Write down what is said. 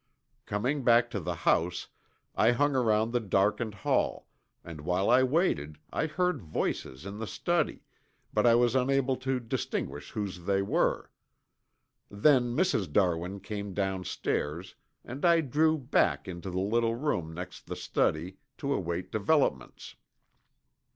Coming back to the house I hung around the darkened hall and while I waited I heard voices in the study, but I was unable to distinguish whose they were. Then Mrs. Darwin came downstairs and I drew back into the little room next the study to await developments.